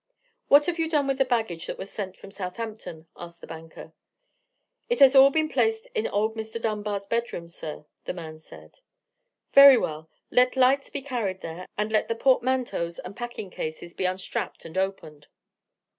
"What have you done with the luggage that was sent from Southampton?" asked the banker. "It has all been placed in old Mr. Dunbar's bed room, sir," the man answered. "Very well; let lights be carried there, and let the portmanteaus and packing cases be unstrapped and opened."